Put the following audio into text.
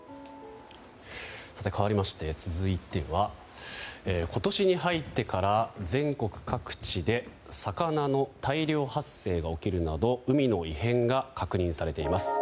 かわりまして続いては今年に入ってから全国各地で魚の大量発生が起きるなど海の異変が確認されています。